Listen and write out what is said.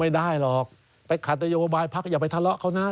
ไม่ได้หรอกไปขัดนโยบายพักอย่าไปทะเลาะเขานะ